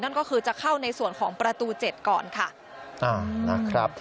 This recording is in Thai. นั่นก็คือจะเข้าในส่วนของประตู๗ก่อนค่ะ